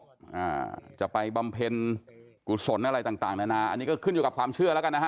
อ่าจะไปบำเพ็ญกุศลอะไรต่างต่างนานาอันนี้ก็ขึ้นอยู่กับความเชื่อแล้วกันนะฮะ